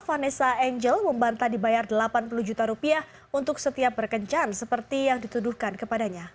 vanessa angel membanta dibayar delapan puluh juta rupiah untuk setiap berkencan seperti yang dituduhkan kepadanya